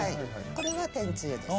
これは天つゆです。